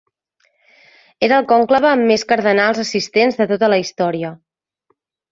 Era el conclave amb més cardenals assistents de tota la història.